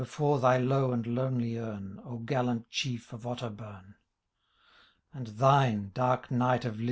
Before thy low and lonely urn, O gallant Chief of Otterburne !* And thine, dark Knight of Liddesdale